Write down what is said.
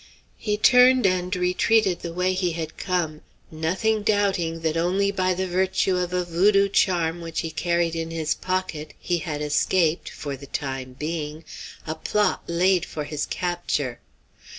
He turned and retreated the way he had come, nothing doubting that only by the virtue of a voodoo charm which he carried in his pocket he had escaped, for the time being, a plot laid for his capture.